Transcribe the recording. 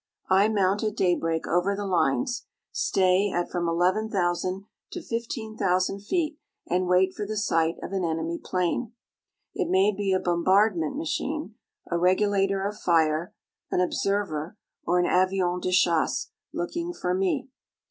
I mount at daybreak over the lines; stay at from 11,000 to 15,000 feet and wait for the sight of an enemy plane. It may be a bombardment machine, a regulator of fire, an observer, or an avion de chasse looking for me.